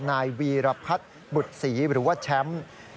นายวีรพัทบุษรีหรือว่าแชมป์